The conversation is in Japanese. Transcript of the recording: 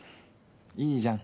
いいじゃん。